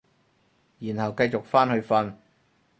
然後繼續返去瞓